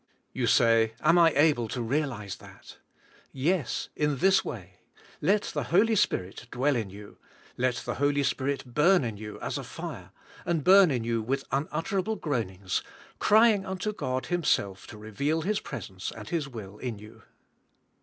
You say, "Am I able to realize that?" Yes, in this way: Let the Holy Spirit dwell in you; let the Holy Spirit burn in you as a fire, and burn in you with unutterable groanings, crying unto God, Himself to reveal His presence and His will in you.